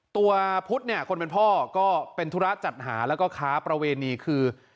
ตัวพุทธเนี่ยคนเป็นพ่อก็เป็นธุระจัดหาแล้วก็ค้าประเวณีคือ